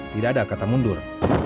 tidak ada kata mundur